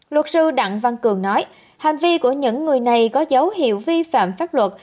luật sư đặng văn cường nói hành vi của những người này có dấu hiệu vi phạm pháp luật